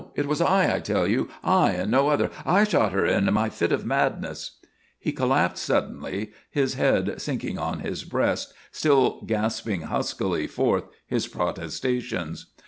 It was I, I tell you; I and no other! I shot her in my fit of madness!" He collapsed suddenly, his head sinking on his breast, still gasping huskily forth his protestations.